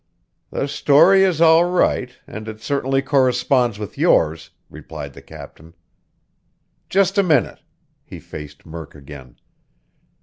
"The story is all right, and it certainly corresponds with yours," replied the captain. "Just a minute!" He faced Murk again.